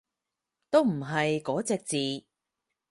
都唔係嗰隻字